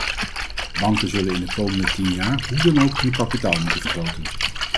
Banken zullen in de komende tien jaar hoe dan ook hun kapitaal moeten vergroten.